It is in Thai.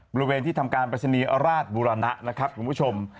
บริเวณที่ทำการปรัชนีราชบุรณะนะครับคุณผู้ชม